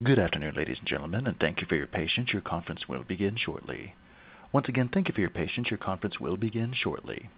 Good afternoon, ladies and gentlemen, and thank you for your patience. Your conference will begin shortly. Once again, thank you for your patience. Your conference will begin shortly.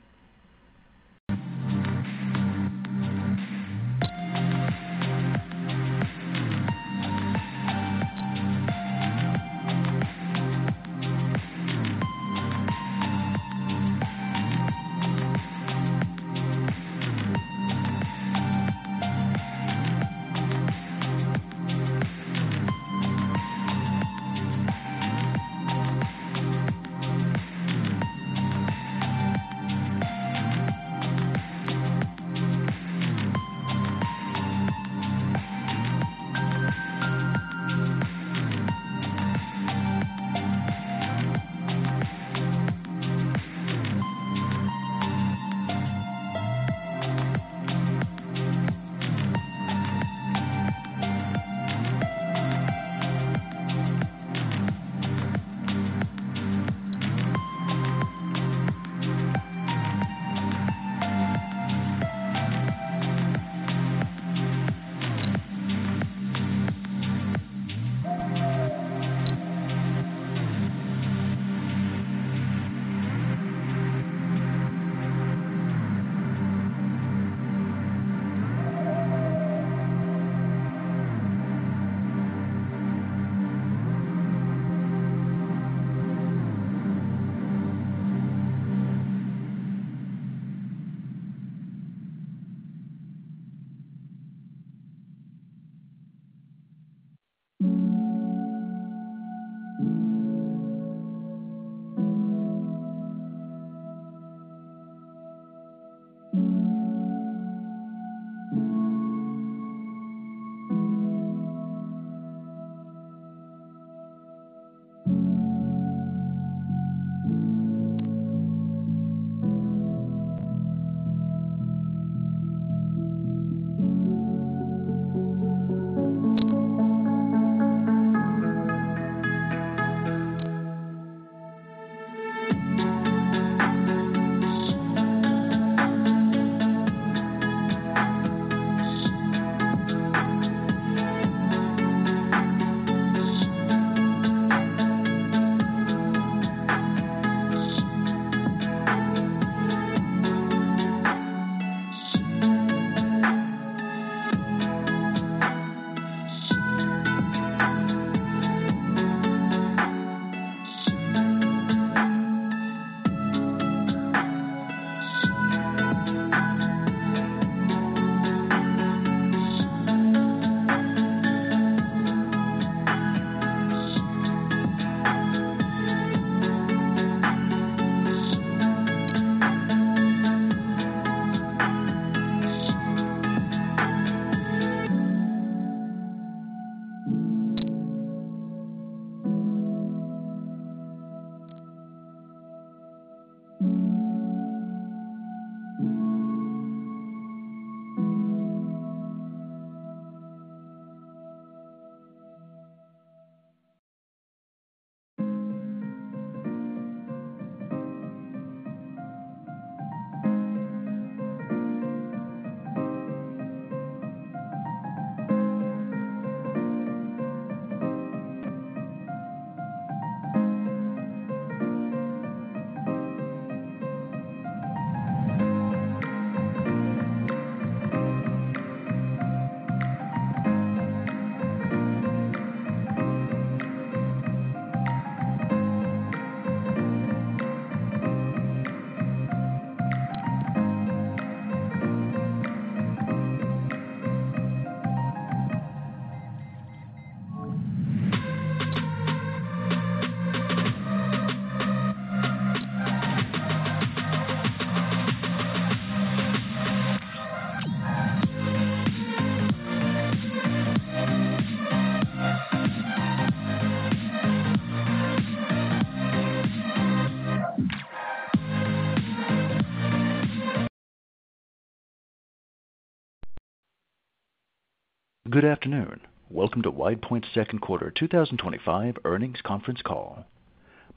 Good afternoon. Welcome to WidePoint's Second Quarter 2025 Earnings Conference Call.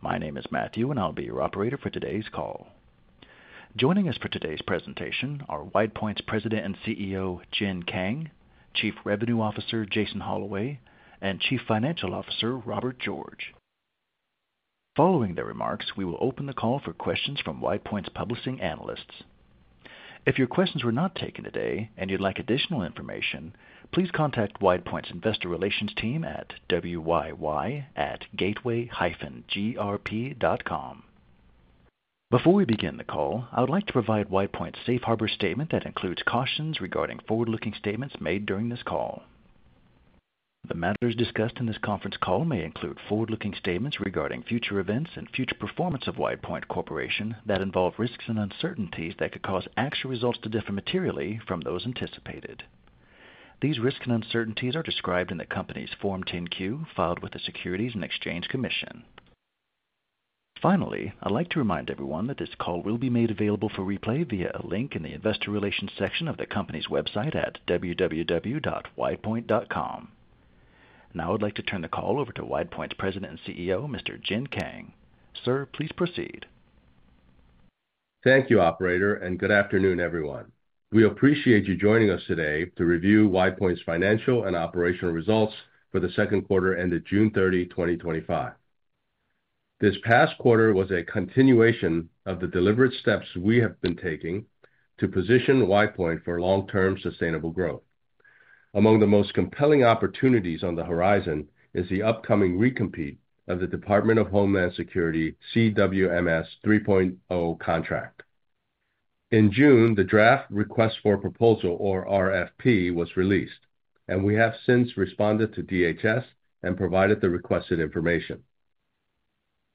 My name is Matthew, and I'll be your operator for today's call. Joining us for today's presentation are WidePoint's President and CEO, Jin Kang, Chief Revenue Officer, Jason Holloway, and Chief Financial Officer, Robert George. Following their remarks, we will open the call for questions from WidePoint's publishing analysts. If your questions were not taken today and you'd like additional information, please contact WidePoint's investor relations team at wyy@gateway-grp.com. Before we begin the call, I would like to provide WidePoint's Safe Harbor statement that includes cautions regarding forward-looking statements made during this call. The matters discussed in this conference call may include forward-looking statements regarding future events and future performance of WidePoint Corporation that involve risks and uncertainties that could cause actual results to differ materially from those anticipated. These risks and uncertainties are described in the company's Form 10-Q filed with the Securities and Exchange Commission. Finally, I'd like to remind everyone that this call will be made available for replay via a link in the investor relations section of the company's website at www.widepoint.com. Now I'd like to turn the call over to WidePoint's President and CEO, Mr. Jin Kang. Sir, please proceed. Thank you, Operator, and good afternoon, everyone. We appreciate you joining us today to review WidePoint's financial and operational results for the second quarter ended June 30, 2025. This past quarter was a continuation of the deliberate steps we have been taking to position WidePoint for long-term sustainable growth. Among the most compelling opportunities on the horizon is the upcoming recompete of the Department of Homeland Security's CWMS 3.0 contract. In June, the draft request for a proposal, or RFP, was released, and we have since responded to DHS and provided the requested information.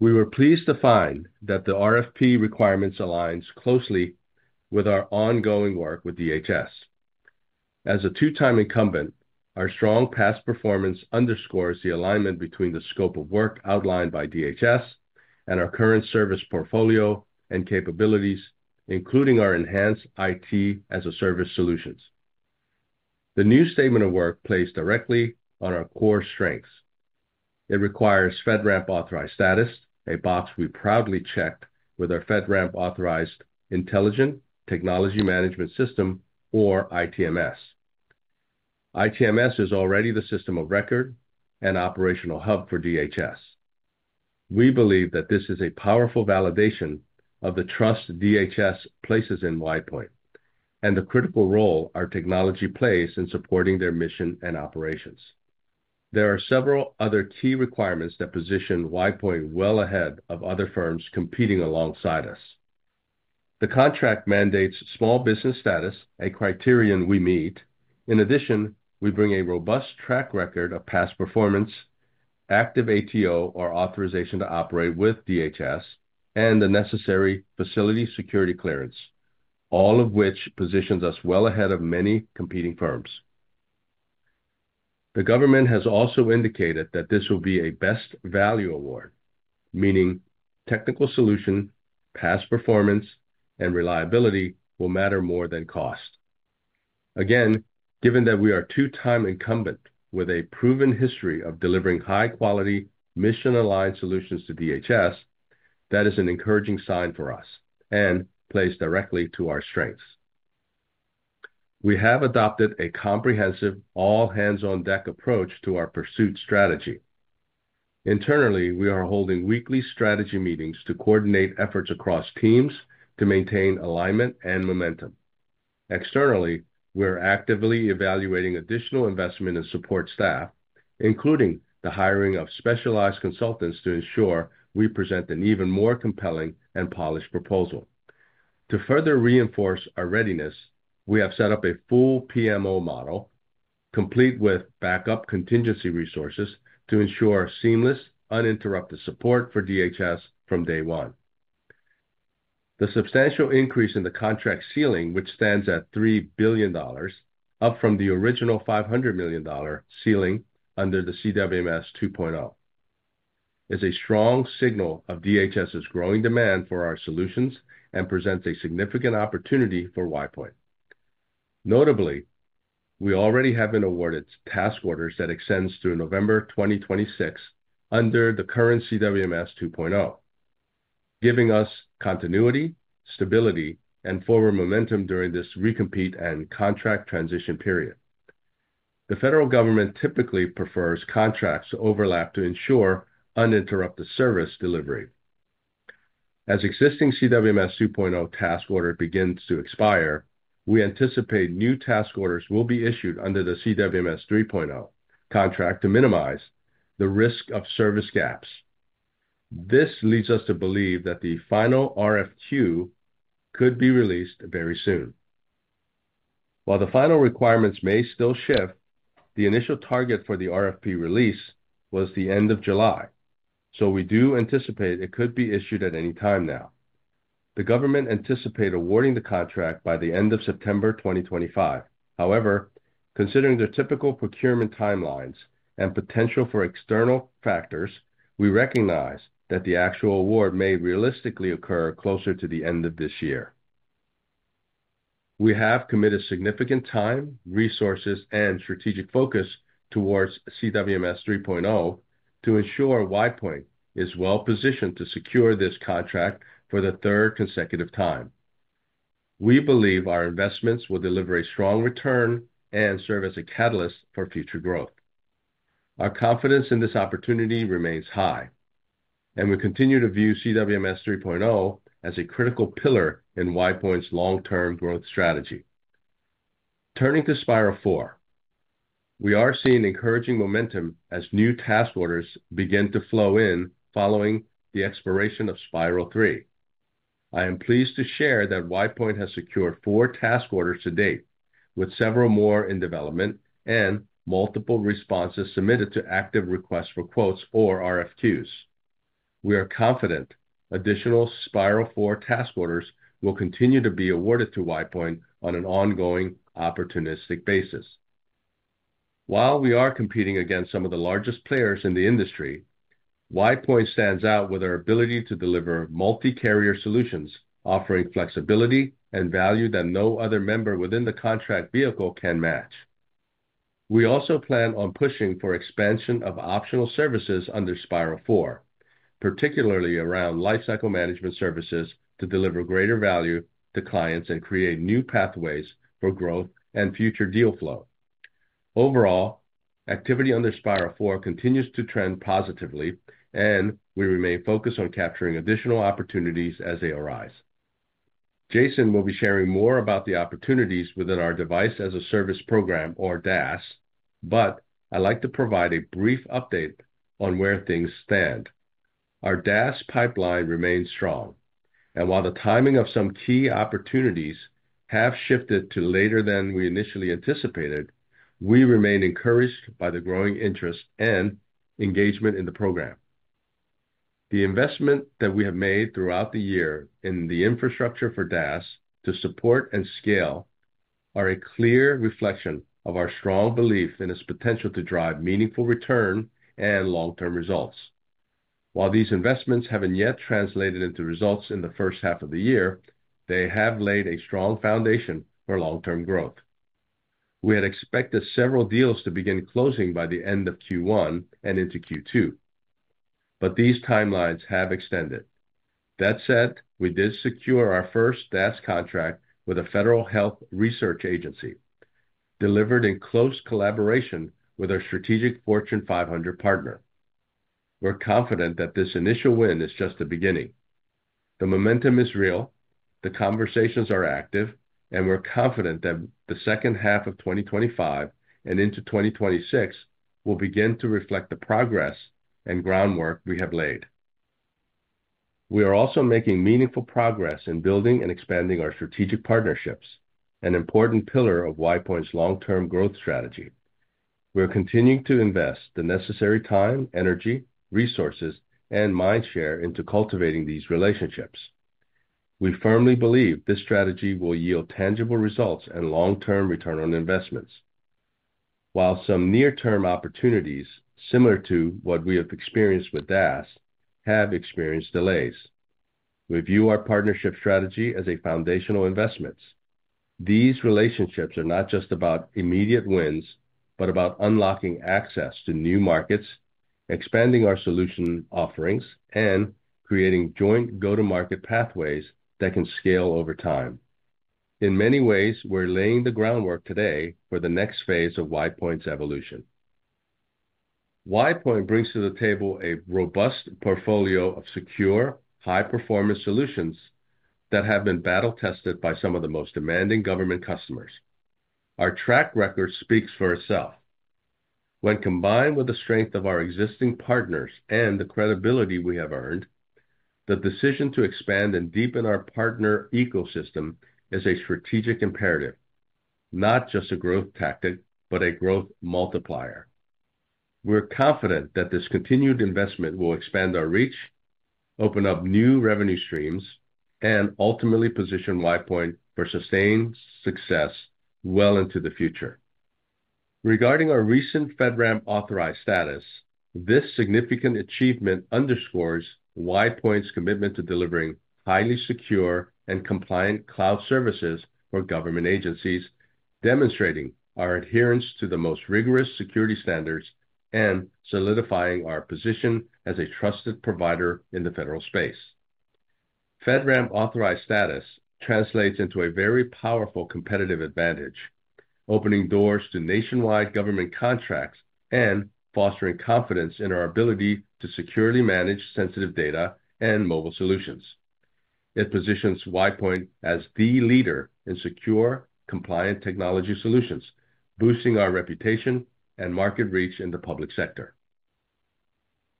We were pleased to find that the RFP requirements align closely with our ongoing work with DHS. As a two-time incumbent, our strong past performance underscores the alignment between the scope of work outlined by DHS and our current service portfolio and capabilities, including our enhanced IT-as-a-service solutions. The new statement of work plays directly on our core strengths. It requires FedRAMP-authorized status, a box we proudly check with our FedRAMP-authorized Intelligent Technology Management System, or ITMS. ITMS is already the system of record and operational hub for DHS. We believe that this is a powerful validation of the trust DHS places in WidePoint and the critical role our technology plays in supporting their mission and operations. There are several other key requirements that position WidePoint well ahead of other firms competing alongside us. The contract mandates small business status, a criterion we meet. In addition, we bring a robust track record of past performance, active ATO, or authorization to operate with DHS, and the necessary facility security clearance, all of which positions us well ahead of many competing firms. The government has also indicated that this will be a best value award, meaning technical solution, past performance, and reliability will matter more than cost. Given that we are a two-time incumbent with a proven history of delivering high-quality, mission-aligned solutions to DHS, that is an encouraging sign for us and plays directly to our strengths. We have adopted a comprehensive, all-hands-on-deck approach to our pursuit strategy. Internally, we are holding weekly strategy meetings to coordinate efforts across teams to maintain alignment and momentum. Externally, we're actively evaluating additional investment and support staff, including the hiring of specialized consultants to ensure we present an even more compelling and polished proposal. To further reinforce our readiness, we have set up a full PMO model, complete with backup contingency resources to ensure seamless, uninterrupted support for DHS from day one. The substantial increase in the contract ceiling, which stands at $3 billion, up from the original $500 million ceiling under the CWMS 2.0, is a strong signal of DHS's growing demand for our solutions and presents a significant opportunity for WidePoint. Notably, we already have been awarded task orders that extend through November 2026 under the current CWMS 2.0, giving us continuity, stability, and forward momentum during this recompete and contract transition period. The federal government typically prefers contracts to overlap to ensure uninterrupted service delivery. As the existing CWMS 2.0 task order begins to expire, we anticipate new task orders will be issued under the CWMS 3.0 contract to minimize the risk of service gaps. This leads us to believe that the final RFQ could be released very soon. While the final requirements may still shift, the initial target for the RFP release was the end of July, so we do anticipate it could be issued at any time now. The government anticipated awarding the contract by the end of September 2025. However, considering the typical procurement timelines and potential for external factors, we recognize that the actual award may realistically occur closer to the end of this year. We have committed significant time, resources, and strategic focus towards CWMS 3.0 to ensure WidePoint is well positioned to secure this contract for the third consecutive time. We believe our investments will deliver a strong return and serve as a catalyst for future growth. Our confidence in this opportunity remains high, and we continue to view CWMS 3.0 as a critical pillar in WidePoint's long-term growth strategy. Turning to Spiral 4, we are seeing encouraging momentum as new task orders begin to flow in following the expiration of Spiral 3. I am pleased to share that WidePoint has secured four task orders to date, with several more in development and multiple responses submitted to active requests for quotes or RFQs. We are confident additional Spiral 4 task orders will continue to be awarded to WidePoint on an ongoing opportunistic basis. While we are competing against some of the largest players in the industry, WidePoint stands out with our ability to deliver multi-carrier solutions, offering flexibility and value that no other member within the contract vehicle can match. We also plan on pushing for expansion of optional services under Spiral 4, particularly around lifecycle management services to deliver greater value to clients and create new pathways for growth and future deal flow. Overall, activity under Spiral 4 continues to trend positively, and we remain focused on capturing additional opportunities as they arise. Jason will be sharing more about the opportunities within our Device-as-a-Service program, or DaaS, but I'd like to provide a brief update on where things stand. Our DaaS pipeline remains strong, and while the timing of some key opportunities has shifted to later than we initially anticipated, we remain encouraged by the growing interest and engagement in the program. The investment that we have made throughout the year in the infrastructure for DaaS to support and scale is a clear reflection of our strong belief in its potential to drive meaningful return and long-term results. While these investments haven't yet translated into results in the first half of the year, they have laid a strong foundation for long-term growth. We had expected several deals to begin closing by the end of Q1 and into Q2, but these timelines have extended. That said, we did secure our first DaaS contract with a federal health research agency, delivered in close collaboration with our strategic Fortune 500 partner. We're confident that this initial win is just the beginning. The momentum is real, the conversations are active, and we're confident that the second half of 2025 and into 2026 will begin to reflect the progress and groundwork we have laid. We are also making meaningful progress in building and expanding our strategic partnerships, an important pillar of WidePoint's long-term growth strategy. We are continuing to invest the necessary time, energy, resources, and mindshare into cultivating these relationships. We firmly believe this strategy will yield tangible results and long-term return on investments. While some near-term opportunities, similar to what we have experienced with DaaS, have experienced delays, we view our partnership strategy as a foundational investment. These relationships are not just about immediate wins, but about unlocking access to new markets, expanding our solution offerings, and creating joint go-to-market pathways that can scale over time. In many ways, we're laying the groundwork today for the next phase of WidePoint's evolution. WidePoint brings to the table a robust portfolio of secure, high-performance solutions that have been battle-tested by some of the most demanding government customers. Our track record speaks for itself. When combined with the strength of our existing partners and the credibility we have earned, the decision to expand and deepen our partner ecosystem is a strategic imperative, not just a growth tactic but a growth multiplier. We're confident that this continued investment will expand our reach, open up new revenue streams, and ultimately position WidePoint for sustained success well into the future. Regarding our recent FedRAMP-authorized status, this significant achievement underscores WidePoint's commitment to delivering highly secure and compliant cloud services for government agencies, demonstrating our adherence to the most rigorous security standards and solidifying our position as a trusted provider in the federal space. FedRAMP-authorized status translates into a very powerful competitive advantage, opening doors to nationwide government contracts and fostering confidence in our ability to securely manage sensitive data and mobile solutions. It positions WidePoint as the leader in secure, compliant technology solutions, boosting our reputation and market reach in the public sector.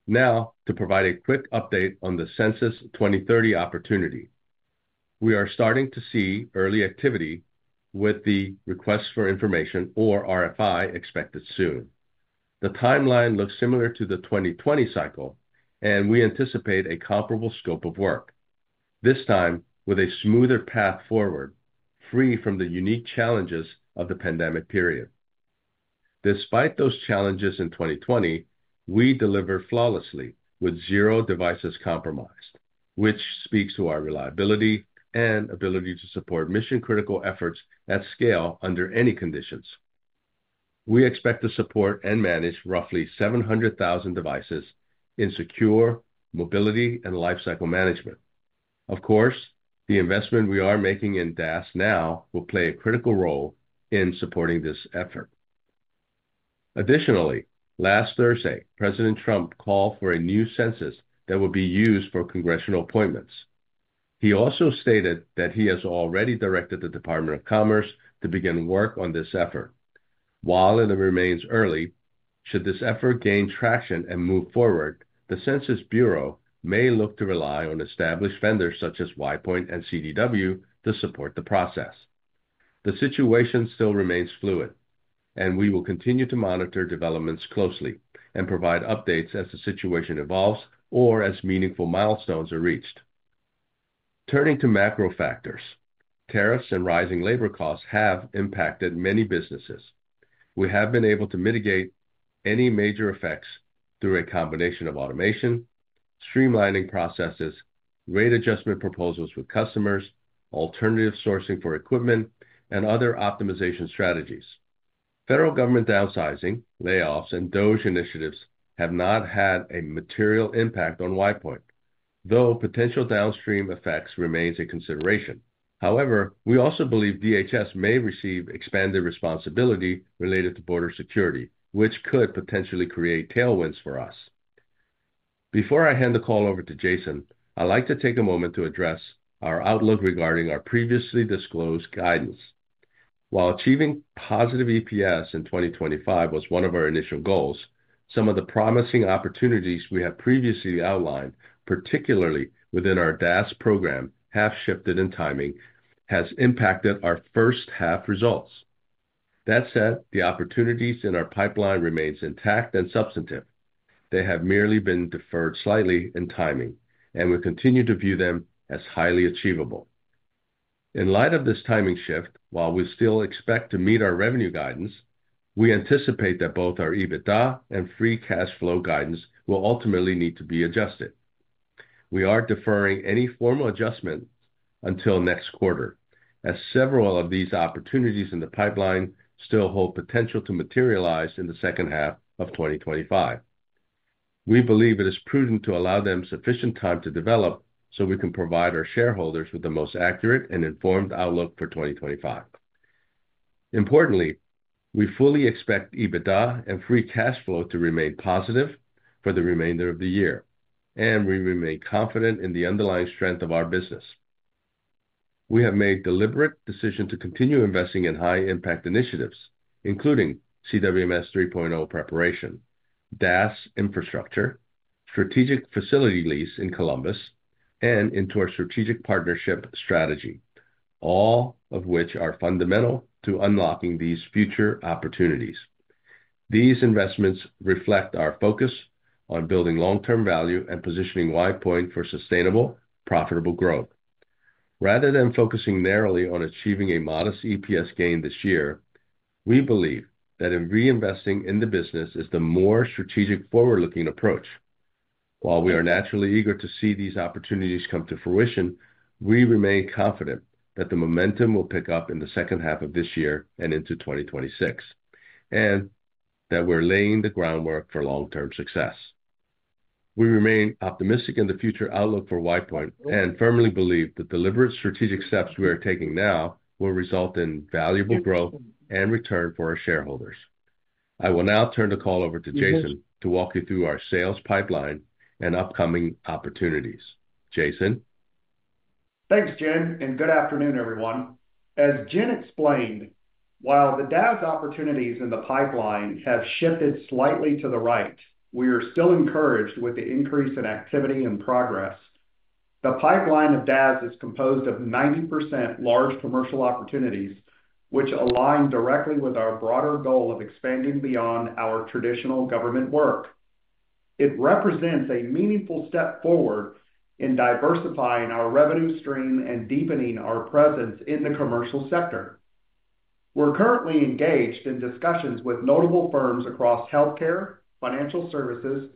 Now, to provide a quick update on the Census 2030 opportunity, we are starting to see early activity with the requests for information, or RFI, expected soon. The timeline looks similar to the 2020 cycle, and we anticipate a comparable scope of work, this time with a smoother path forward, free from the unique challenges of the pandemic period. Despite those challenges in 2020, we delivered flawlessly with zero devices compromised, which speaks to our reliability and ability to support mission-critical efforts at scale under any conditions. We expect to support and manage roughly 700,000 devices in secure mobility and lifecycle management. Of course, the investment we are making in Device-as-a-Service now will play a critical role in supporting this effort. Additionally, last Thursday, President Trump called for a new census that would be used for congressional appointments. He also stated that he has already directed the Department of Commerce to begin work on this effort. While it remains early, should this effort gain traction and move forward, the Census Bureau may look to rely on established vendors such as WidePoint and CDW to support the process. The situation still remains fluid, and we will continue to monitor developments closely and provide updates as the situation evolves or as meaningful milestones are reached. Turning to macro factors, tariffs and rising labor costs have impacted many businesses. We have been able to mitigate any major effects through a combination of automation, streamlining processes, rate adjustment proposals with customers, alternative sourcing for equipment, and other optimization strategies. Federal government downsizing, layoffs, and DOGE initiatives have not had a material impact on WidePoint, though potential downstream effects remain a consideration. However, we also believe DHS may receive expanded responsibility related to border security, which could potentially create tailwinds for us. Before I hand the call over to Jason, I'd like to take a moment to address our outlook regarding our previously disclosed guidance. While achieving positive EPS in 2025 was one of our initial goals, some of the promising opportunities we have previously outlined, particularly within our Device-as-a-Service program, have shifted in timing and have impacted our first-half results. That said, the opportunities in our pipeline remain intact and substantive. They have merely been deferred slightly in timing, and we continue to view them as highly achievable. In light of this timing shift, while we still expect to meet our revenue guidance, we anticipate that both our EBITDA and free cash flow guidance will ultimately need to be adjusted. We are deferring any formal adjustment until next quarter, as several of these opportunities in the pipeline still hold potential to materialize in the second half of 2025. We believe it is prudent to allow them sufficient time to develop so we can provide our shareholders with the most accurate and informed outlook for 2025. Importantly, we fully expect EBITDA and free cash flow to remain positive for the remainder of the year, and we remain confident in the underlying strength of our business. We have made a deliberate decision to continue investing in high-impact initiatives, including CWMS 3.0 preparation, DaaS infrastructure, strategic facility lease in Columbus, and into our strategic partnership strategy, all of which are fundamental to unlocking these future opportunities. These investments reflect our focus on building long-term value and positioning WidePoint for sustainable, profitable growth. Rather than focusing narrowly on achieving a modest EPS gain this year, we believe that reinvesting in the business is the more strategic, forward-looking approach. While we are naturally eager to see these opportunities come to fruition, we remain confident that the momentum will pick up in the second half of this year and into 2026, and that we're laying the groundwork for long-term success. We remain optimistic in the future outlook for WidePoint and firmly believe that deliberate strategic steps we are taking now will result in valuable growth and return for our shareholders. I will now turn the call over to Jason to walk you through our sales pipeline and upcoming opportunities. Jason. Thanks, Jin, and good afternoon, everyone. As Jin explained, while the DaaS opportunities in the pipeline have shifted slightly to the right, we are still encouraged with the increase in activity and progress. The pipeline of DaaS is composed of 90% large commercial opportunities, which align directly with our broader goal of expanding beyond our traditional government work. It represents a meaningful step forward in diversifying our revenue stream and deepening our presence in the commercial sector. We're currently engaged in discussions with notable firms across healthcare, financial services, and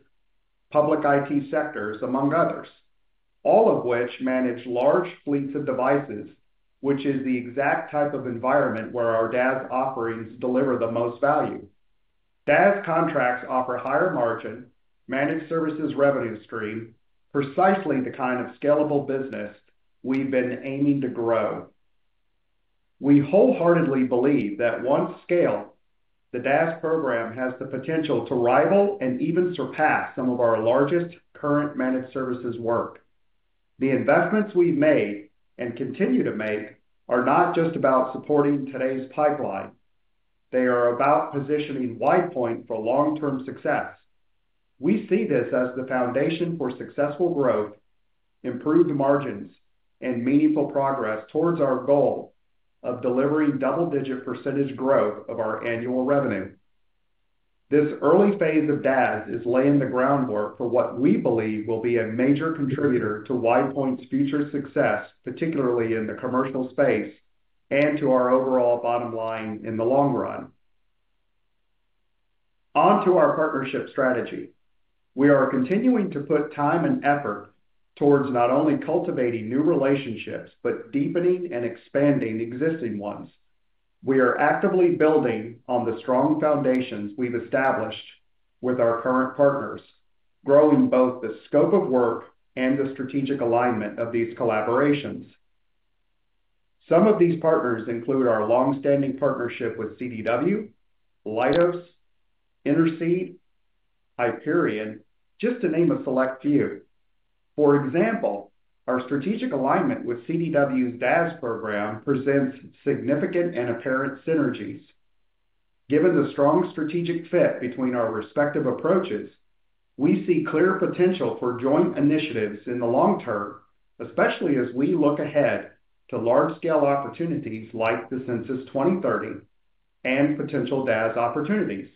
public IT sectors, among others, all of which manage large fleets of devices, which is the exact type of environment where our DaaS offerings deliver the most value. DaaS contracts offer higher margin, managed services revenue stream, precisely the kind of scalable business we've been aiming to grow. We wholeheartedly believe that once scaled, the DaaS program has the potential to rival and even surpass some of our largest current managed services work. The investments we've made and continue to make are not just about supporting today's pipeline, they are about positioning WidePoint for long-term success. We see this as the foundation for successful growth, improved margins, and meaningful progress towards our goal of delivering double-digit percentage growth of our annual revenue. This early phase of DaaS is laying the groundwork for what we believe will be a major contributor to WidePoint's future success, particularly in the commercial space and to our overall bottom line in the long run. Onto our partnership strategy, we are continuing to put time and effort towards not only cultivating new relationships but deepening and expanding existing ones. We are actively building on the strong foundations we've established with our current partners, growing both the scope of work and the strategic alignment of these collaborations. Some of these partners include our longstanding partnership with CDW, Leidos, Interseed, Hyperion, just to name a select few. For example, our strategic alignment with CDW's DaaS program presents significant and apparent synergies. Given the strong strategic fit between our respective approaches, we see clear potential for joint initiatives in the long term, especially as we look ahead to large-scale opportunities like the Census 2030 and potential DaaS opportunities.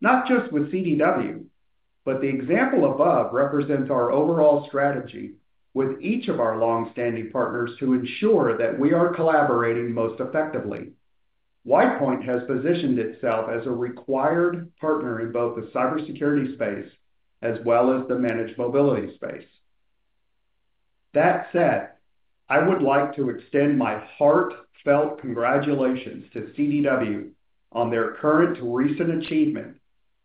Not just with CDW, but the example above represents our overall strategy with each of our longstanding partners to ensure that we are collaborating most effectively. WidePoint has positioned itself as a required partner in both the cybersecurity space as well as the managed mobility space. That said, I would like to extend my heartfelt congratulations to CDW on their current to recent achievement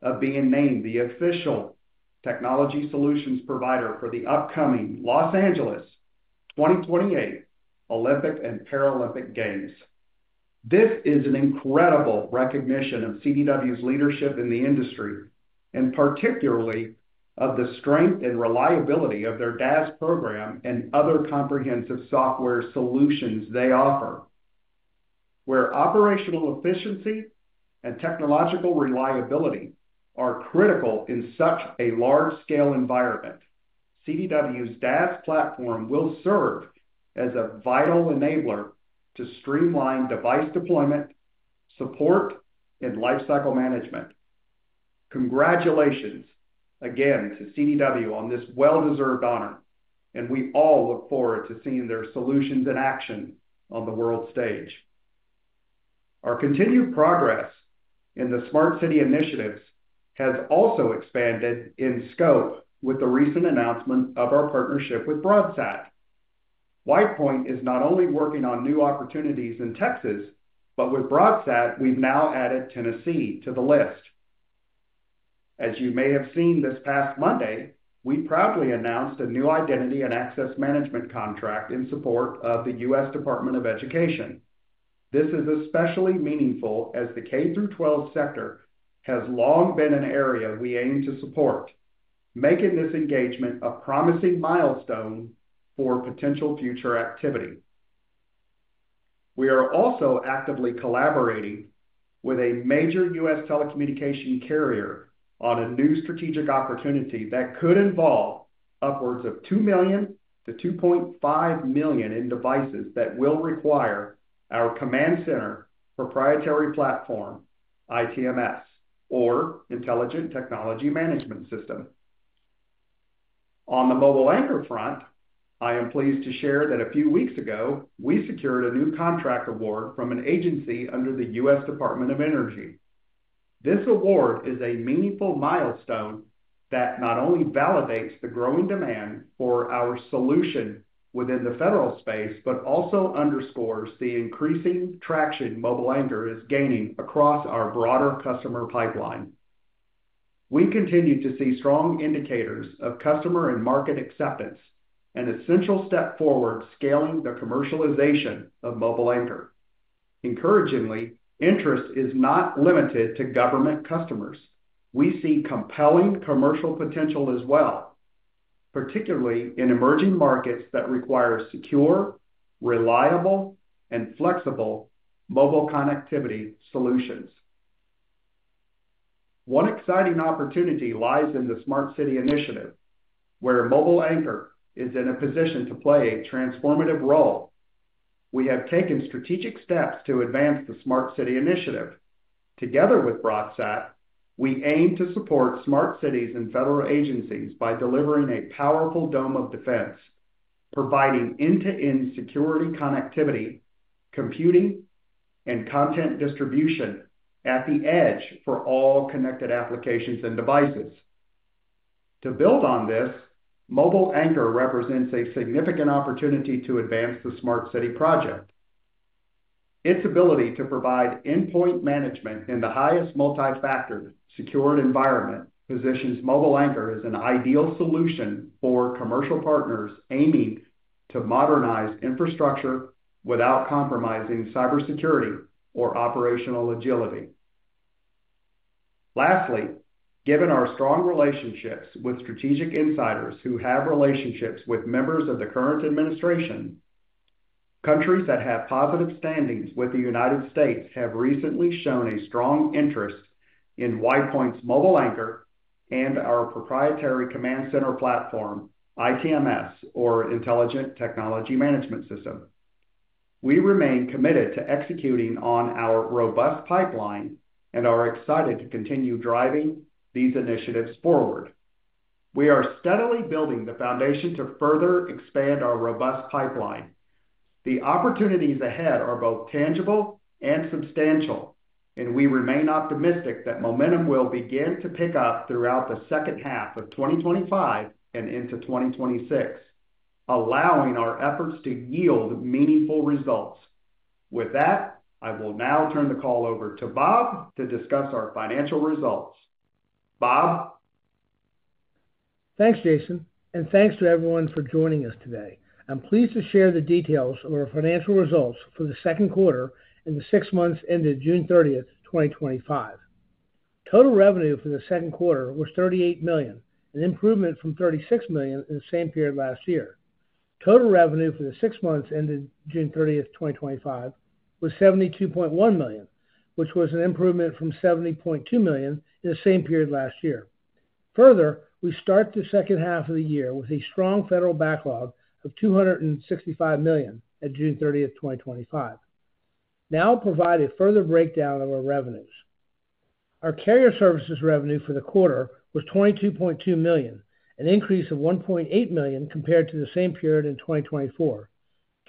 of being named the official technology solutions provider for the upcoming Los Angeles 2028 Olympic and Paralympic Games. This is an incredible recognition of CDW's leadership in the industry, and particularly of the strength and reliability of their DaaS program and other comprehensive software solutions they offer. Where operational efficiency and technological reliability are critical in such a large-scale environment, CDW's DaaS platform will serve as a vital enabler to streamline device deployment, support, and lifecycle management. Congratulations again to CDW on this well-deserved honor, and we all look forward to seeing their solutions in action on the world stage. Our continued progress in the smart city initiatives has also expanded in scope with the recent announcement of our partnership with BroadSat. WidePoint is not only working on new opportunities in Texas, but with BroadSat, we've now added Tennessee to the list. As you may have seen this past Monday, we proudly announced a new Identity & Access Management contract in support of the U.S. Department of Education. This is especially meaningful as the K-12 sector has long been an area we aim to support, making this engagement a promising milestone for potential future activity. We are also actively collaborating with a major U.S. telecommunication carrier on a new strategic opportunity that could involve upwards of $2 million-$2.5 million in devices that will require our command center proprietary platform, ITMS or Intelligent Technology Management System. On the MobileAnchor front, I am pleased to share that a few weeks ago, we secured a new contract award from an agency under the U.S. Department of Energy. This award is a meaningful milestone that not only validates the growing demand for our solution within the federal space but also underscores the increasing traction MobileAnchor is gaining across our broader customer pipeline. We continue to see strong indicators of customer and market acceptance, an essential step forward scaling the commercialization of MobileAnchor. Encouragingly, interest is not limited to government customers. We see compelling commercial potential as well, particularly in emerging markets that require secure, reliable, and flexible mobile connectivity solutions. One exciting opportunity lies in the Smart City Initiative, where MobileAnchor is in a position to play a transformative role. We have taken strategic steps to advance the Smart City Initiative. Together with BroadSat, we aim to support smart cities and federal agencies by delivering a powerful dome of defense, providing end-to-end security connectivity, computing, and content distribution at the edge for all connected applications and devices. To build on this, MobileAnchor represents a significant opportunity to advance the smart city project. Its ability to provide endpoint management in the highest multi-factored secured environment positions MobileAnchor as an ideal solution for commercial partners aiming to modernize infrastructure without compromising cybersecurity or operational agility. Lastly, given our strong relationships with strategic insiders who have relationships with members of the current administration, countries that have positive standings with the United States have recently shown a strong interest in WidePoint's MobileAnchor and our proprietary command center platform, Intelligent Technology Management System, or ITMS. We remain committed to executing on our robust pipeline and are excited to continue driving these initiatives forward. We are steadily building the foundation to further expand our robust pipeline. The opportunities ahead are both tangible and substantial, and we remain optimistic that momentum will begin to pick up throughout the second half of 2025 and into 2026, allowing our efforts to yield meaningful results. With that, I will now turn the call over to Bob to discuss our financial results. Bob? Thanks, Jason, and thanks to everyone for joining us today. I'm pleased to share the details of our financial results for the second quarter and the six months ended June 30th, 2025. Total revenue for the second quarter was $38 million, an improvement from $36 million in the same period last year. Total revenue for the six months ended June 30th, 2025 was $72.1 million, which was an improvement from $70.2 million in the same period last year. Further, we start the second half of the year with a strong federal backlog of $265 million at June 30th, 2025. Now I'll provide a further breakdown of our revenues. Our carrier services revenue for the quarter was $22.2 million, an increase of $1.8 million compared to the same period in 2024.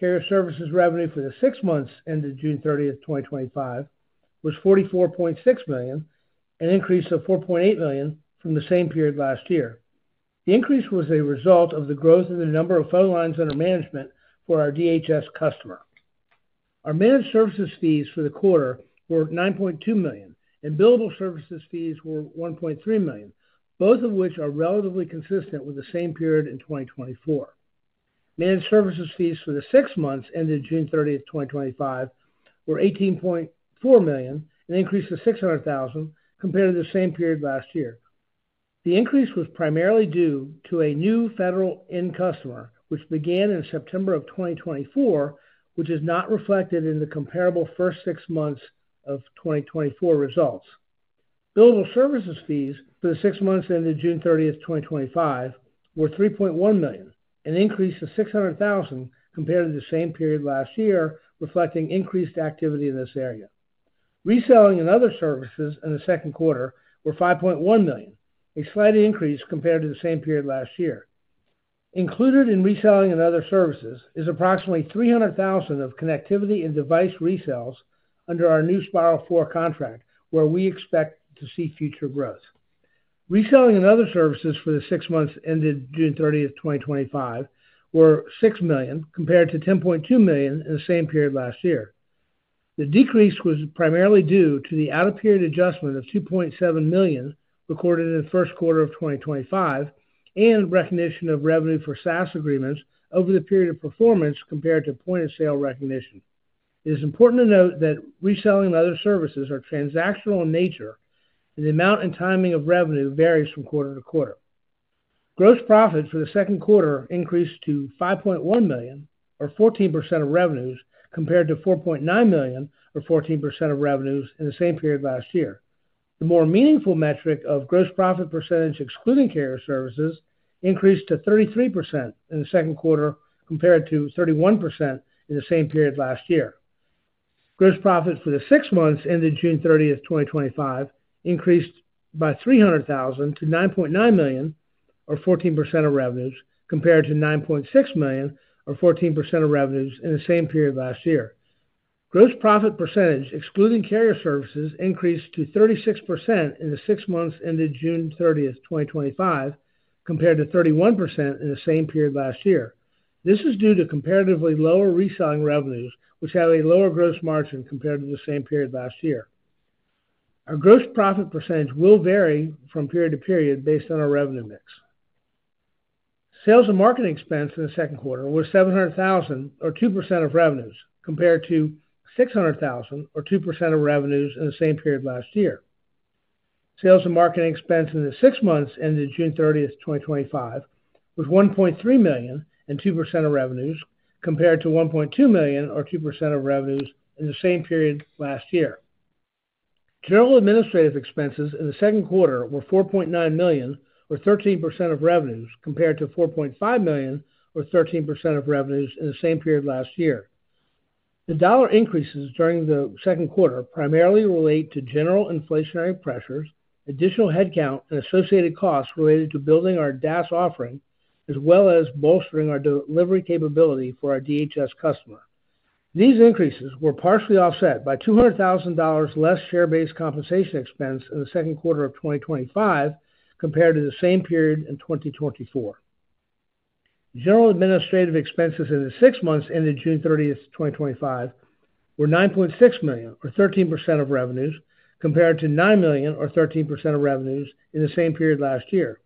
Carrier services revenue for the six months ended June 30, 2025 was $44.6 million, an increase of $4.8 million from the same period last year. The increase was a result of the growth in the number of phone lines under management for our DHS customer. Our managed services fees for the quarter were $9.2 million, and billable services fees were $1.3 million, both of which are relatively consistent with the same period in 2024. Managed services fees for the six months ended June 30th, 2025 were $18.4 million, an increase of $600,000 compared to the same period last year. The increase was primarily due to a new federal end customer, which began in September of 2024, which is not reflected in the comparable first six months of 2024 results. Billable services fees for the six months ended June 30th, 2025 were $3.1 million, an increase of $600,000 compared to the same period last year, reflecting increased activity in this area. Reselling and other services in the second quarter were $5.1 million, a slight increase compared to the same period last year. Included in reselling and other services is approximately $300,000 of connectivity and device resales under our new Spiral 4 contract, where we expect to see future growth. Reselling and other services for the six months ended June 30th, 2025 were $6 million compared to $10.2 million in the same period last year. The decrease was primarily due to the out-of-period adjustment of $2.7 million recorded in the first quarter of 2025 and recognition of revenue for SaaS agreements over the period of performance compared to point-of-sale recognition. It is important to note that reselling and other services are transactional in nature, and the amount and timing of revenue varies from quarter to quarter. Gross profit for the second quarter increased to $5.1 million, or 14% of revenues, compared to $4.9 million, or 14% of revenues in the same period last year. The more meaningful metric of gross profit percentage excluding carrier services increased to 33% in the second quarter compared to 31% in the same period last year. Gross profits for the six months ended June 30th, 2025, increased by $300,000 to $9.9 million, or 14% of revenues, compared to $9.6 million, or 14% of revenues in the same period last year. Gross profit percentage excluding carrier services increased to 36% in the six months ended June 30th, 2025, compared to 31% in the same period last year. This is due to comparatively lower reselling revenues, which have a lower gross margin compared to the same period last year. Our gross profit percentage will vary from period to period based on our revenue mix. Sales and marketing expense in the second quarter was $700,000, or 2% of revenues, compared to $600,000, or 2% of revenues in the same period last year. Sales and marketing expense in the six months ended June 30th, 2025, was $1.3 million and 2% of revenues, compared to $1.2 million, or 2% of revenues in the same period last year. General administrative expenses in the second quarter were $4.9 million, or 13% of revenues, compared to $4.5 million, or 13% of revenues in the same period last year. The dollar increases during the second quarter primarily relate to general inflationary pressures, additional headcount, and associated costs related to building our DaaS offering, as well as bolstering our delivery capability for our DHS customer. These increases were partially offset by $200,000 less share-based compensation expense in the second quarter of 2025 compared to the same period in 2024. General administrative expenses in the six months ended June 30th, 2025, were $9.6 million, or 13% of revenues, compared to $9 million, or 13% of revenues in the same period last year.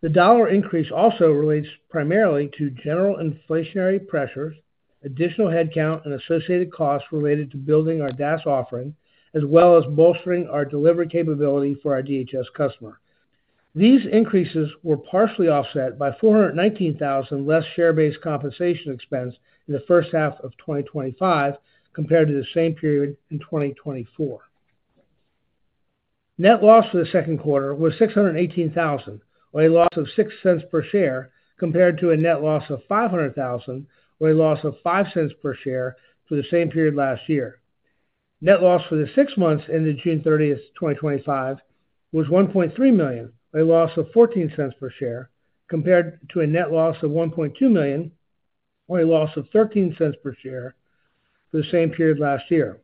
The dollar increase also relates primarily to general inflationary pressures, additional headcount, and associated costs related to building our DaaS offering, as well as bolstering our delivery capability for our DHS customer. These increases were partially offset by $419,000 less share-based compensation expense in the first half of 2025 compared to the same period in 2024. Net loss for the second quarter was $618,000, or a loss of $0.06 per share, compared to a net loss of $500,000, or a loss of $0.05 per share for the same period last year. Net loss for the six months ended June 30th, 2025 was $1.3 million, a loss of $0.14 per share, compared to a net loss of $1.2 million, or a loss of $0.13 per share for the same period last year.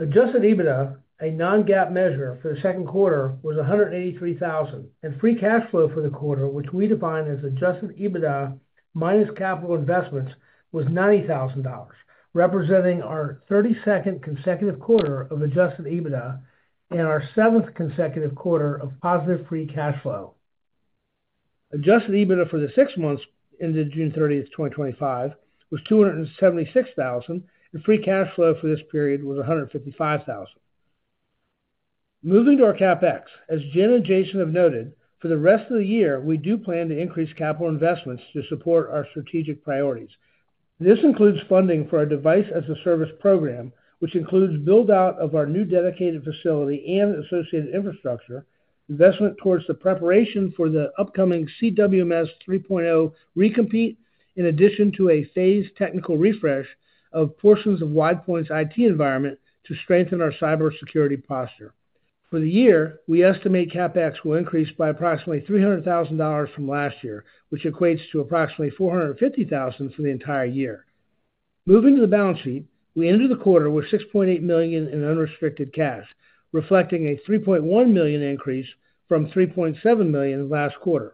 Adjusted EBITDA, a non-GAAP measure for the second quarter, was $183,000, and free cash flow for the quarter, which we define as adjusted EBITDA minus capital investments, was $90,000, representing our 32nd consecutive quarter of adjusted EBITDA and our seventh consecutive quarter of positive free cash flow. Adjusted EBITDA for the six months ended June 30th, 2025 was $276,000, and free cash flow for this period was $155,000. Moving to our CapEx, as Jin and Jason have noted, for the rest of the year, we do plan to increase capital investments to support our strategic priorities. This includes funding for our Device-as-a-Service program, which includes build-out of our new dedicated facility and associated infrastructure, investment towards the preparation for the upcoming CWMS 3.0 recompete, in addition to a phased technical refresh of portions of WidePoint's IT environment to strengthen our cybersecurity posture. For the year, we estimate CapEx will increase by approximately $300,000 from last year, which equates to approximately $450,000 for the entire year. Moving to the balance sheet, we ended the quarter with $6.8 million in unrestricted cash, reflecting a $3.1 million increase from $3.7 million last quarter.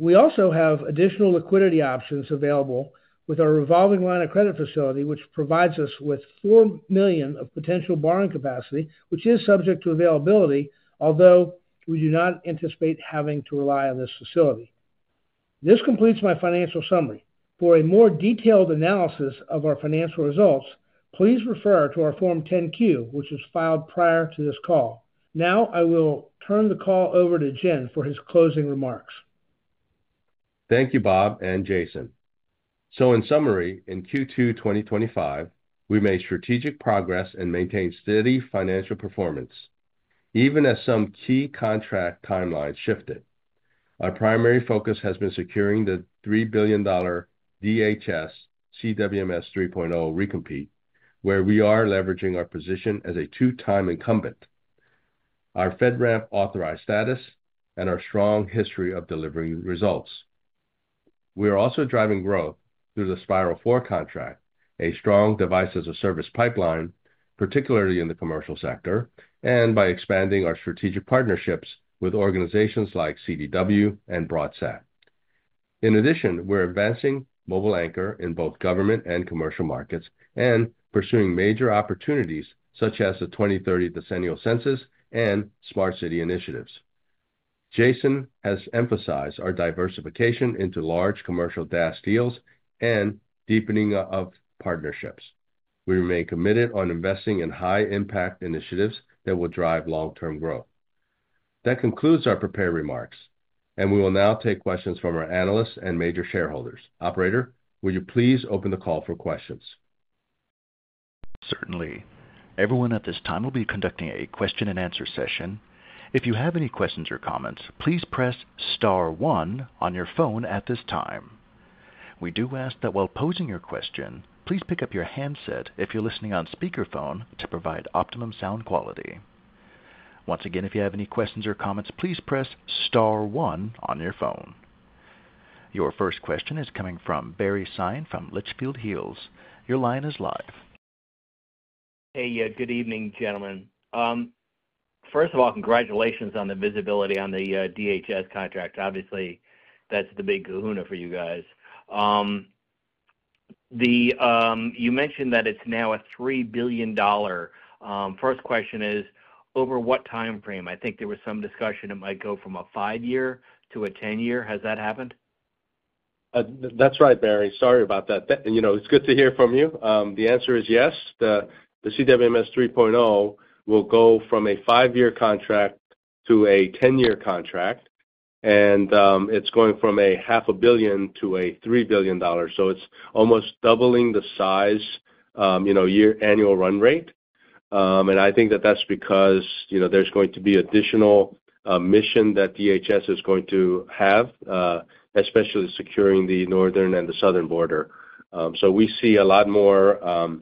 We also have additional liquidity options available with our revolving line of credit facility, which provides us with $4 million of potential borrowing capacity, which is subject to availability, although we do not anticipate having to rely on this facility. This completes my financial summary. For a more detailed analysis of our financial results, please refer to our Form 10-Q, which was filed prior to this call. Now I will turn the call over to Jin for his closing remarks. Thank you, Bob and Jason. In summary, in Q2 2025, we made strategic progress and maintained steady financial performance, even as some key contract timelines shifted. Our primary focus has been securing the $3 billion DHS CWMS 3.0 recompete, where we are leveraging our position as a two-time incumbent, our FedRAMP-authorized status, and our strong history of delivering results. We are also driving growth through the Spiral 4 contract, a strong Device-as-a-Service pipeline, particularly in the commercial sector, and by expanding our strategic partnerships with organizations like CDW and BroadSat. In addition, we're advancing MobileAnchor in both government and commercial markets and pursuing major opportunities such as the 2030 Decennial Census and Smart City Initiatives. Jason has emphasized our diversification into large commercial DaaS deals and deepening of partnerships. We remain committed on investing in high-impact initiatives that will drive long-term growth. That concludes our prepared remarks, and we will now take questions from our analysts and major shareholders. Operator, will you please open the call for questions? Certainly. Everyone at this time will be conducting a question and answer session. If you have any questions or comments, please press star one on your phone at this time. We do ask that while posing your question, please pick up your handset if you're listening on speakerphone to provide optimum sound quality. Once again, if you have any questions or comments, please press star one on your phone. Your first question is coming from Barry Sine from Litchfield Hills. Your line is live. Hey, good evening, gentlemen. First of all, congratulations on the visibility on the DHS contract. Obviously, that's the big kahuna for you guys. You mentioned that it's now a $3 billion. First question is, over what timeframe? I think there was some discussion it might go from a five-year to a 10-year. Has that happened? That's right, Barry. Sorry about that. You know, it's good to hear from you. The answer is yes. The CWMS 3.0 will go from a five-year contract to a 10-year contract, and it's going from $500 million to $3 billion. It's almost doubling the size, you know, annual run rate. I think that that's because there's going to be additional mission that DHS is going to have, especially securing the northern and the southern border. We see a lot more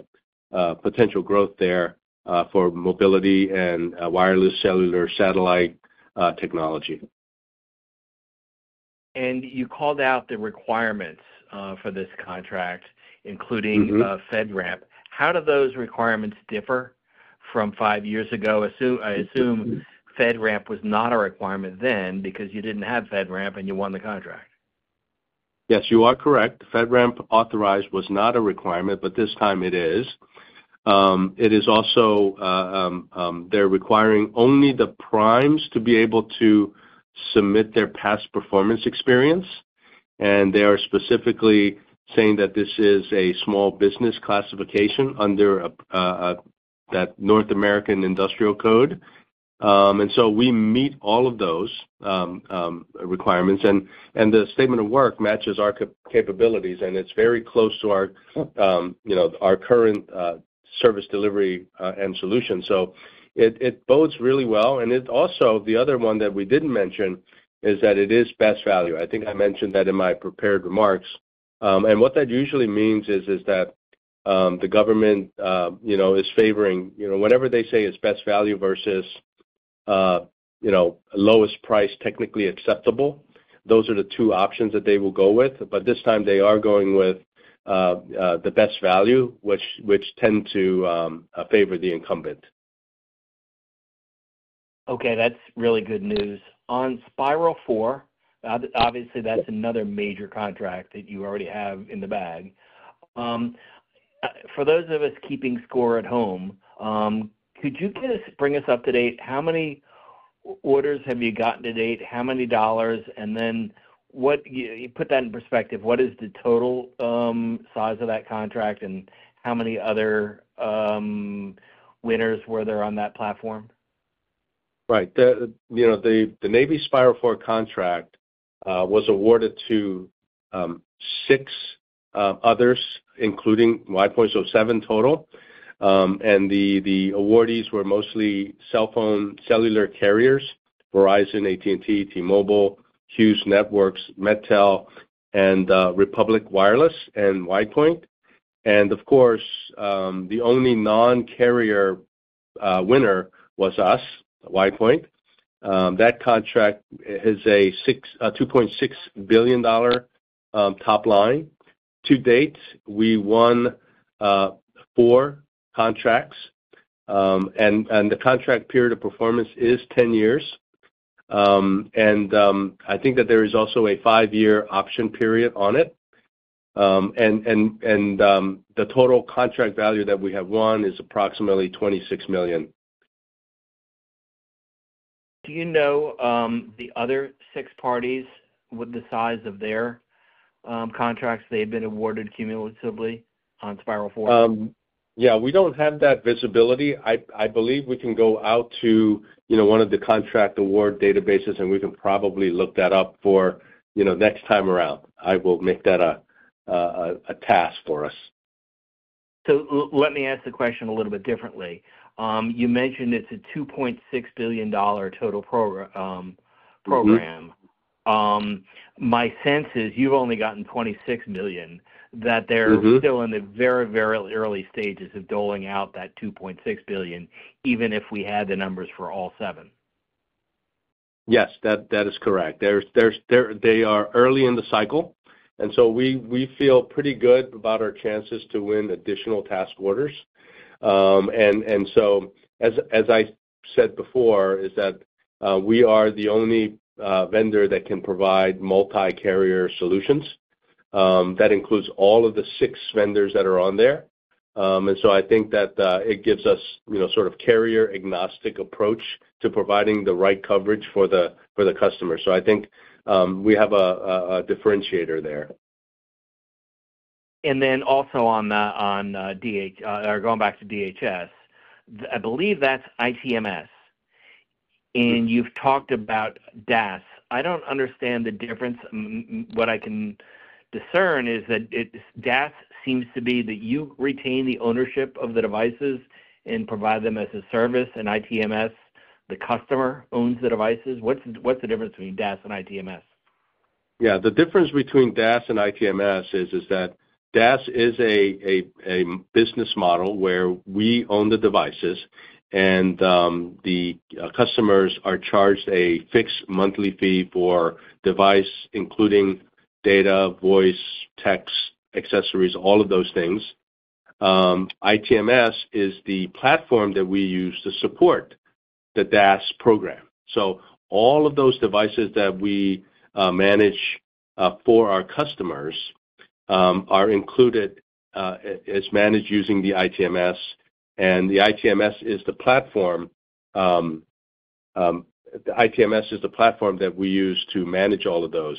potential growth there for mobility and wireless cellular satellite technology. You called out the requirements for this contract, including FedRAMP. How do those requirements differ from five years ago? I assume FedRAMP was not a requirement then because you didn't have FedRAMP and you won the contract. Yes, you are correct. FedRAMP-authorized was not a requirement, but this time it is. They are also requiring only the primes to be able to submit their past performance experience, and they are specifically saying that this is a small business classification under that North American Industrial Code. We meet all of those requirements, and the statement of work matches our capabilities, and it's very close to our current service delivery and solution. It bodes really well. The other one that we didn't mention is that it is best value. I think I mentioned that in my prepared remarks. What that usually means is that the government is favoring whatever they say is best value versus lowest price technically acceptable. Those are the two options that they will go with. This time they are going with the best value, which tends to favor the incumbent. Okay, that's really good news. On Spiral 4, obviously, that's another major contract that you already have in the bag. For those of us keeping score at home, could you bring us up to date? How many orders have you gotten to date? How many dollars? What is the total size of that contract and how many other winners were there on that platform? Right. You know, the Navy Spiral 4 contract was awarded to six others, including WidePoint, so seven total. The awardees were mostly cell phone cellular carriers: Verizon, AT&T, T-Mobile, Hughes Networks, Metel, Republic Wireless, and WidePoint. Of course, the only non-carrier winner was us, WidePoint. That contract is a $2.6 billion top line. To date, we won four contracts, and the contract period of performance is 10 years. I think that there is also a five-year option period on it. The total contract value that we have won is approximately $26 million. Do you know the other six parties with the size of their contracts they've been awarded cumulatively on Spiral 4? We don't have that visibility. I believe we can go out to one of the contract award databases, and we can probably look that up for next time around. I will make that a task for us. Let me ask the question a little bit differently. You mentioned it's a $2.6 billion total program. My sense is you've only gotten $26 million, that they're still in the very, very early stages of doling out that $2.6 billion, even if we had the numbers for all seven. Yes, that is correct. They are early in the cycle, and we feel pretty good about our chances to win additional task orders. As I said before, we are the only vendor that can provide multi-carrier solutions. That includes all of the six vendors that are on there. I think that it gives us, you know, sort of a carrier-agnostic approach to providing the right coverage for the customer. I think we have a differentiator there. On DHS, I believe that's ITMS. You've talked about DaaS. I don't understand the difference. What I can discern is that DaaS seems to be that you retain the ownership of the devices and provide them as a service, and ITMS, the customer owns the devices. What's the difference between DaaS and ITMS? Yeah, the difference between DaaS and ITMS is that DaaS is a business model where we own the devices, and the customers are charged a fixed monthly fee for device, including data, voice, text, accessories, all of those things. ITMS is the platform that we use to support the DaaS program. All of those devices that we manage for our customers are included, is managed using the ITMS. ITMS is the platform that we use to manage all of those.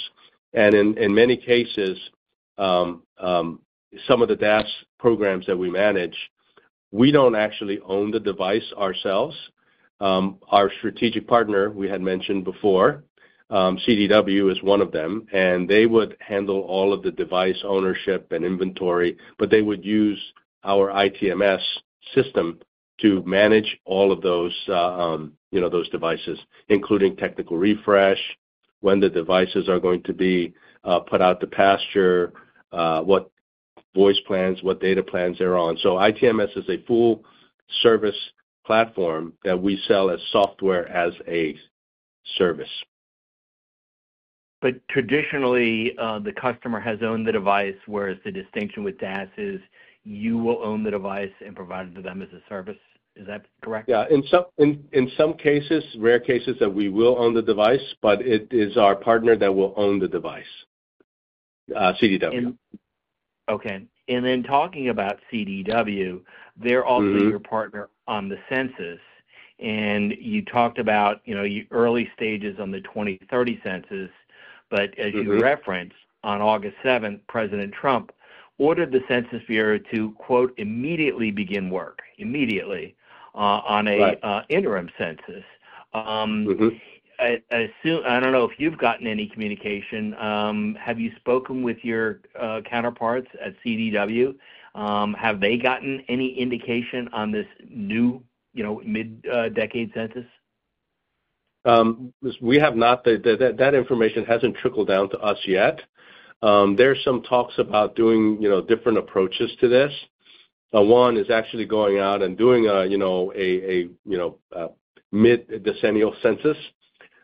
In many cases, some of the DaaS programs that we manage, we don't actually own the device ourselves. Our strategic partner we had mentioned before, CDW, is one of them, and they would handle all of the device ownership and inventory, but they would use our ITMS to manage all of those, you know, those devices, including technical refresh, when the devices are going to be put out to pasture, what voice plans, what data plans they're on. ITMS is a full-service platform that we sell as software as a service. Traditionally, the customer has owned the device, whereas the distinction with DaaS is you will own the device and provide it to them as a service. Is that correct? Yeah, in some cases, rare cases that we will own the device, but it is our partner that will own the device, CDW. Okay. Talking about CDW, they're also your partner on the census. You talked about the early stages on the 2030 census, but as you referenced, on August 7th, President Trump ordered the Census Bureau to "immediately begin work," immediately, on an interim census. I don't know if you've gotten any communication. Have you spoken with your counterparts at CDW? Have they gotten any indication on this new, you know, mid-decade census? We have not. That information hasn't trickled down to us yet. There are some talks about doing different approaches to this. One is actually going out and doing a mid-decennial census.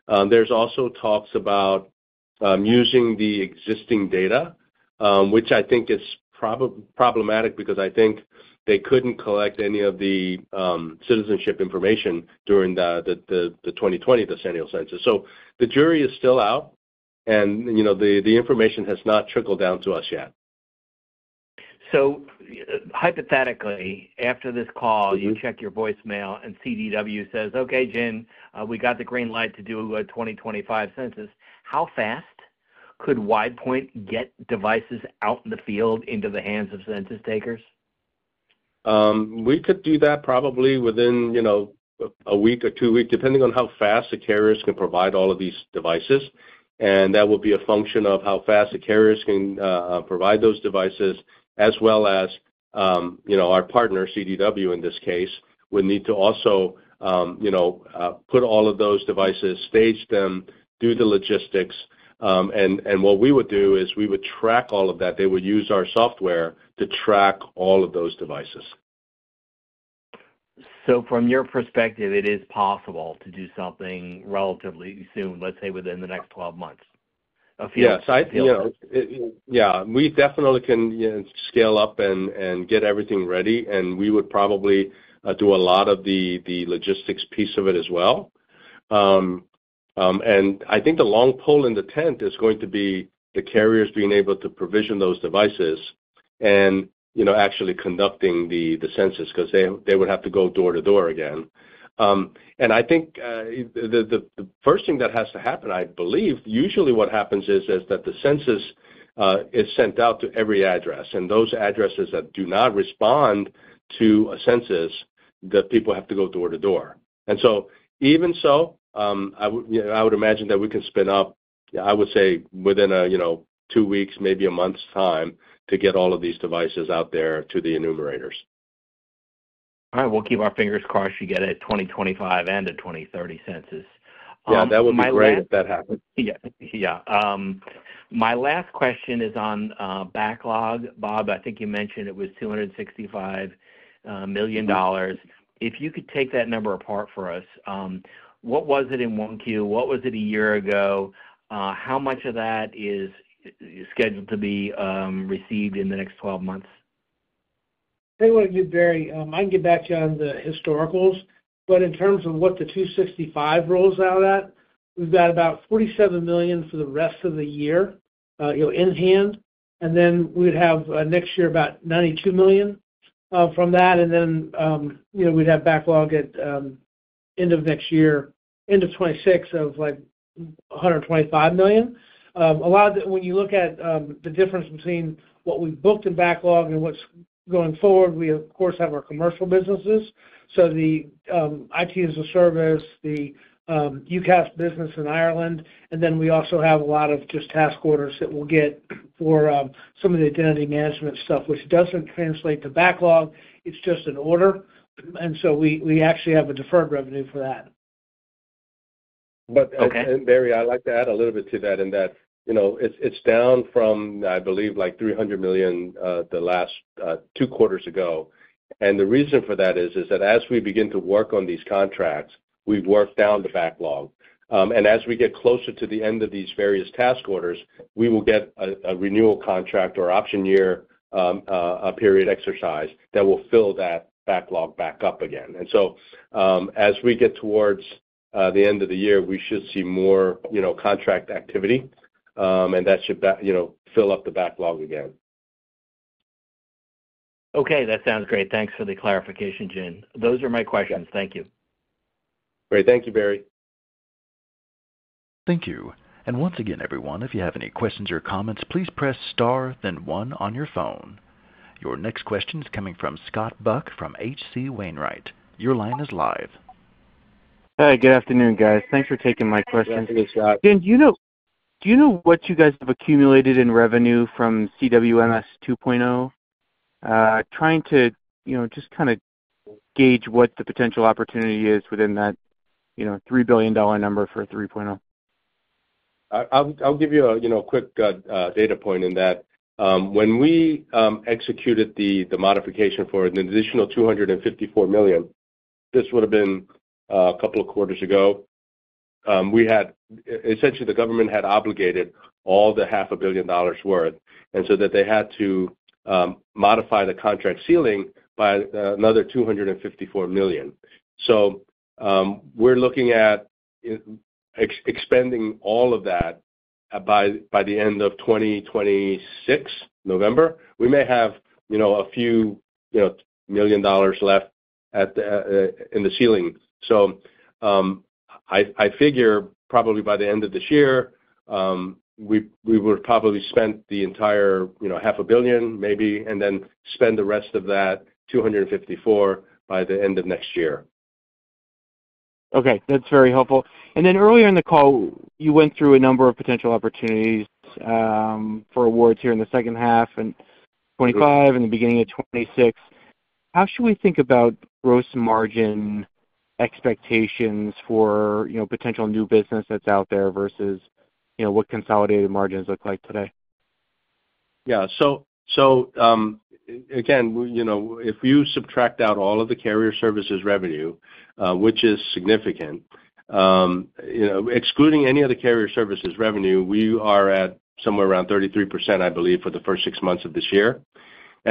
There are also talks about using the existing data, which I think is problematic because I think they couldn't collect any of the citizenship information during the 2020 decennial census. The jury is still out, and the information has not trickled down to us yet. Hypothetically, after this call, you check your voicemail and CDW says, "Okay, Jin, we got the green light to do a 2025 census." How fast could WidePoint get devices out in the field into the hands of census takers? We could do that probably within, you know, a week or two weeks, depending on how fast the carriers can provide all of these devices. That would be a function of how fast the carriers can provide those devices, as well as, you know, our partner, CDW in this case, would need to also, you know, put all of those devices, stage them, do the logistics. What we would do is we would track all of that. They would use our software to track all of those devices. From your perspective, it is possible to do something relatively soon, let's say within the next 12 months. Yes, I feel that. Yeah, we definitely can scale up and get everything ready, and we would probably do a lot of the logistics piece of it as well. I think the long pole in the tent is going to be the carriers being able to provision those devices and, you know, actually conducting the census because they would have to go door to door again. I think the first thing that has to happen, I believe, usually what happens is that the census is sent out to every address, and those addresses that do not respond to a census, the people have to go door to door. Even so, I would imagine that we can spin up, I would say, within a, you know, two weeks, maybe a month's time to get all of these devices out there to the enumerators. All right, we'll keep our fingers crossed you get a 2025 and a 2030 census. Yeah, that would be great if that happened. Yeah, yeah. My last question is on backlog. Bob, I think you mentioned it was $265 million. If you could take that number apart for us, what was it in 1Q? What was it a year ago? How much of that is scheduled to be received in the next 12 months? I think what I can do, Barry, I can get back to you on the historicals, but in terms of what the $265 million rolls out at, we've got about $47 million for the rest of the year, you know, in hand. We would have next year about $92 million from that. We'd have backlog at the end of next year, end of 2026, of like $125 million. A lot of that, when you look at the difference between what we've booked in backlog and what's going forward, we, of course, have our commercial businesses. The IT as a Service, the UCaaS business in Ireland, and we also have a lot of just task orders that we'll get for some of the identity & access management stuff, which doesn't translate to backlog. It's just an order. We actually have a deferred revenue for that. Barry, I'd like to add a little bit to that in that, you know, it's down from, I believe, like $300 million the last two quarters ago. The reason for that is that as we begin to work on these contracts, we've worked down the backlog. As we get closer to the end of these various task orders, we will get a renewal contract or option year period exercise that will fill that backlog back up again. As we get towards the end of the year, we should see more, you know, contract activity, and that should, you know, fill up the backlog again. Okay, that sounds great. Thanks for the clarification, Jin. Those are my questions. Thank you. Great, thank you, Barry. Thank you. Once again, everyone, if you have any questions or comments, please press star, then one on your phone. Your next question is coming from Scott Buck from H.C. Wainwright. Your line is live. Hi, good afternoon, guys. Thanks for taking my questions. Thank you, Scott. Jin, do you know what you guys have accumulated in revenue from CWMS 2.0? Trying to, you know, just kind of gauge what the potential opportunity is within that $3 billion number for a 3.0. I'll give you a quick data point in that. When we executed the modification for an additional $254 million, this would have been a couple of quarters ago. We had, essentially, the government had obligated all the half a billion dollars' worth, and they had to modify the contract ceiling by another $254 million. We're looking at expending all of that by the end of 2026, November. We may have a few million dollars left in the ceiling. I figure probably by the end of this year, we would probably spend the entire half a billion maybe, and then spend the rest of that $254 million by the end of next year. Okay, that's very helpful. Earlier in the call, you went through a number of potential opportunities for awards here in the second half in 2025 and the beginning of 2026. How should we think about gross margin expectations for, you know, potential new business that's out there versus, you know, what consolidated margins look like today? Yeah, if you subtract out all of the carrier services revenue, which is significant, excluding any of the carrier services revenue, we are at somewhere around 33% for the first six months of this year.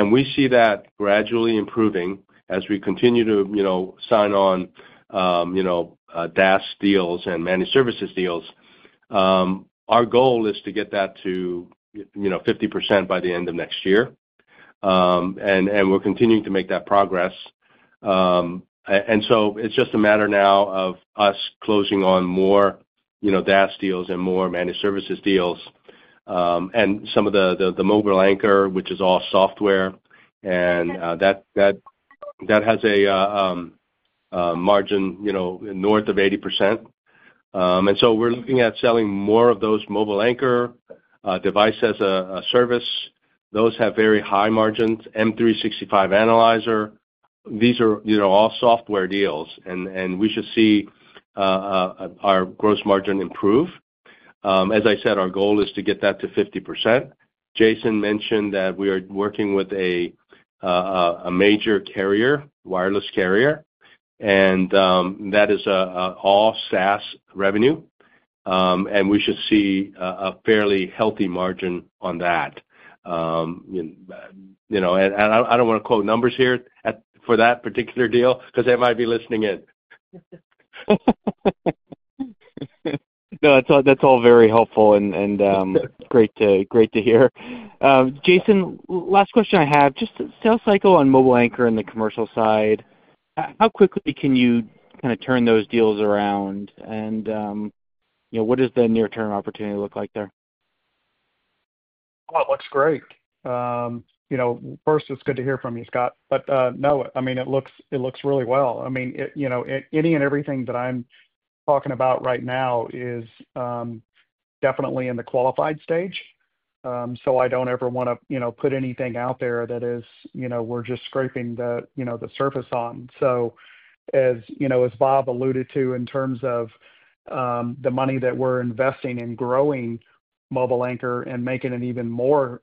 We see that gradually improving as we continue to sign on DaaS deals and managed-services deals. Our goal is to get that to 50% by the end of next year. We're continuing to make that progress. It is just a matter now of us closing on more DaaS deals and more managed services deals. Some of the MobileAnchor, which is all software, has a margin north of 80%. We are looking at selling more of those MobileAnchor Device as a Service. Those have very high margins, M365 Analyzer. These are all software deals, and we should see our gross margin improve. As I said, our goal is to get that to 50%. Jason mentioned that we are working with a major wireless carrier, and that is an all-SaaS revenue. We should see a fairly healthy margin on that. I don't want to quote numbers here for that particular deal because they might be listening in. No, that's all very helpful and great to hear. Jason, last question I have, just the sales cycle on MobileAnchor and the commercial side, how quickly can you kind of turn those deals around? You know, what does the near-term opportunity look like there? Oh, it looks great. First, it's good to hear from you, Scott. It looks really well. Any and everything that I'm talking about right now is definitely in the qualified stage. I don't ever want to put anything out there that is, you know, we're just scraping the surface on. As Bob alluded to in terms of the money that we're investing in growing MobileAnchor and making it even more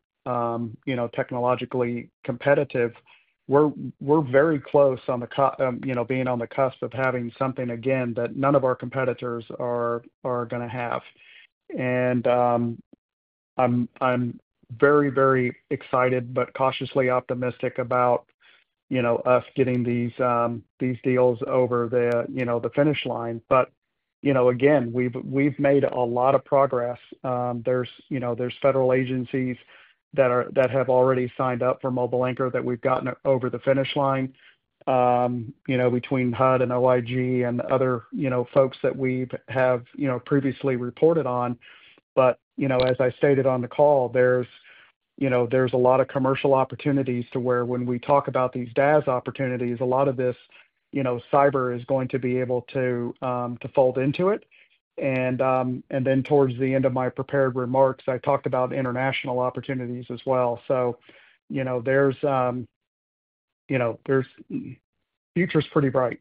technologically competitive, we're very close on being on the cusp of having something again that none of our competitors are going to have. I'm very, very excited but cautiously optimistic about us getting these deals over the finish line. We've made a lot of progress. There are federal agencies that have already signed up for MobileAnchor that we've gotten over the finish line, between HUD and OIG and other folks that we have previously reported on. As I stated on the call, there are a lot of commercial opportunities where when we talk about these DaaS opportunities, a lot of this cyber is going to be able to fold into it. Towards the end of my prepared remarks, I talked about international opportunities as well. The future's pretty bright.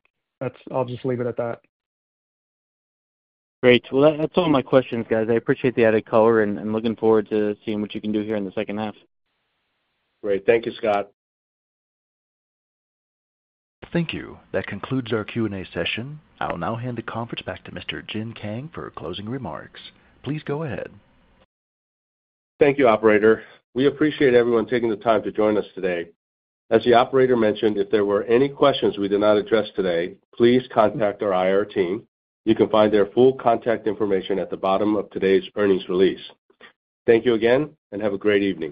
I'll just leave it at that. Great. That's all my questions, guys. I appreciate the added color and look forward to seeing what you can do here in the second half. Great. Thank you, Scott. Thank you. That concludes our Q&A session. I'll now hand the conference back to Mr. Jin Kang for closing remarks. Please go ahead. Thank you, Operator. We appreciate everyone taking the time to join us today. As the Operator mentioned, if there were any questions we did not address today, please contact our IR team. You can find their full contact information at the bottom of today's earnings release. Thank you again and have a great evening.